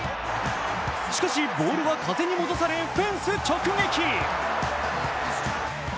しかし、ボールは風に戻されフェンス直撃。